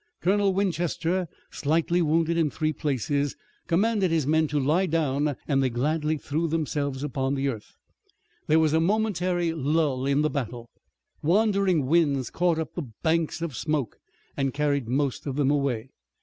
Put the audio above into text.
Colonel Winchester, slightly wounded in three places, commanded his men to lie down, and they gladly threw themselves upon the earth. There was a momentary lull in the battle. Wandering winds caught up the banks of smoke and carried most of them away.